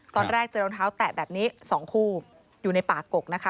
ตอนแรกเจอรองเท้าแตะแบบนี้๒คู่อยู่ในป่ากกนะคะ